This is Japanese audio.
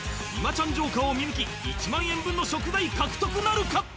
今ちゃんジョーカーを見抜き１万円分の食材獲得なるか？